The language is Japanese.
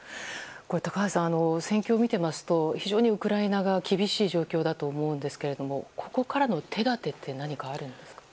高橋さん、戦況を見ていますと非常にウクライナ側は厳しい状況だと思うんですがここからの手立てって何かあるんですか？